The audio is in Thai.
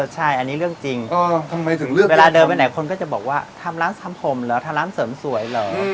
ใช่อันนี้เรื่องจริงทำไมถึงเลือกเวลาเดินไปไหนคนก็จะบอกว่าทำร้านทำผมเหรอทำร้านเสริมสวยเหรอ